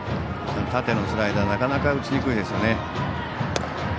縦のスライダーなかなか打ちにくいですよね。